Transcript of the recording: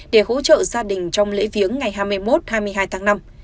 để hỗ trợ gia đình trong lễ viếng ngày hai mươi một hai mươi hai tháng năm